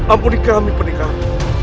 ampuni kami pernikahan